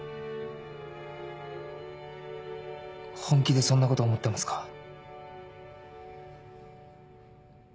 本気でそんなこと思ってますか？